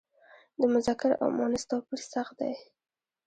د مذکر او مونث توپیر سخت دی.